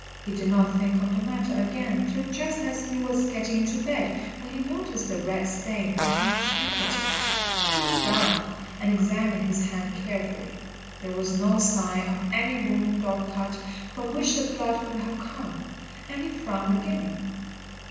He did not think of the matter again till just as he was getting into bed, when he noticed a red stain upon his handkerchief. He frowned and examined his hand carefully. There was no sign of any wound or cut from which the blood could have come, and he frowned again.